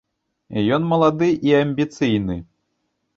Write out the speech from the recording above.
Ён малады і амбіцыйны.